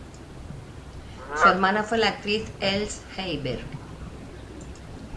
Su hermana fue la actriz Else Heiberg.